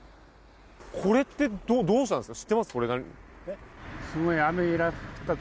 これってどうしたんですか？